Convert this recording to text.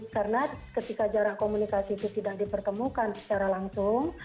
karena ketika jarak komunikasi itu tidak dipertemukan secara langsung